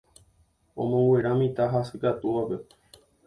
omonguera mitã hasykatúvape